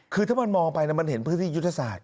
คือถ้ามันมองไปมันเห็นพื้นที่ยุทธศาสต